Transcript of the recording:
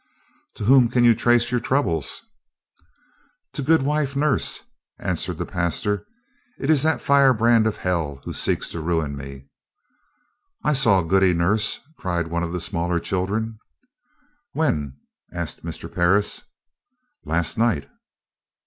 "To whom can you trace your troubles?" "To Goodwife Nurse," answered the pastor. "It is that firebrand of hell who seeks to ruin me." "I saw Goody Nurse," cried one of the smaller children. "When?" asked Mr. Parris. "Last night."